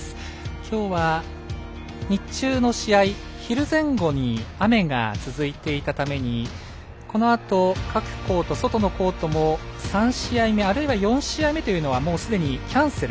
きょうは、日中の試合昼前後に、雨が続いていたためにこのあと各コート外のコートも３試合目、あるいは４試合目というのはもうすでにキャンセル。